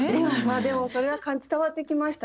でもそれは伝わってきました